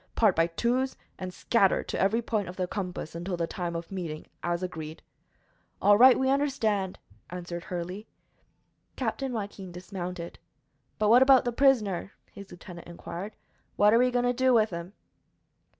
Part by twos, and scatter to every point of the compass until the time of meeting, as agreed." "All right; we understand," answered Hurley. Captain Joaquin dismounted. "But, what about ther prisoner?" his lieutenant inquired. "What are we goin' to do with him?"